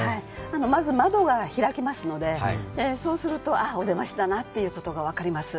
まず窓が開きますのでそうすると、ああ、お出ましだなということが分かります。